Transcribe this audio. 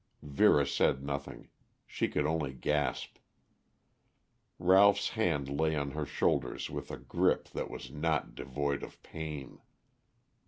Vera said nothing. She could only gasp. Ralph's hand lay on her shoulder with a grip that was not devoid of pain.